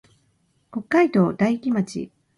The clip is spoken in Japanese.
北海道大樹町